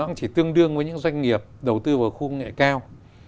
cũng chỉ tương đương với những doanh nghiệp đầu tư vào khu công nghệ cao